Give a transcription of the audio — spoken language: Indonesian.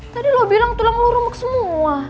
tadi lo bilang tulang lo rumek semua